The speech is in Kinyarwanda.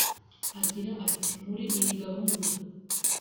Agira ati”muri iyi gahunda